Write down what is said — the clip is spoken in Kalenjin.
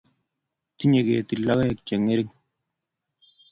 Tinyei ketit logoek che ngering